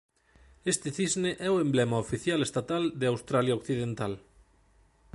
Este cisne é o emblema oficial estatal de Australia Occidental.